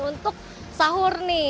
untuk sahur nih